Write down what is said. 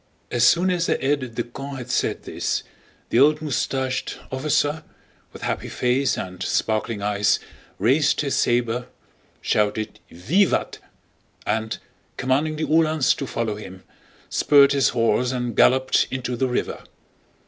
As soon as the aide de camp had said this, the old mustached officer, with happy face and sparkling eyes, raised his saber, shouted "Vivat!" and, commanding the Uhlans to follow him, spurred his horse and galloped into the river.